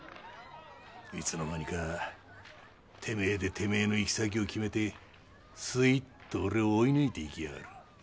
いつの間にかてめえでてめえの行き先を決めてすいっと俺を追い抜いていきやがる。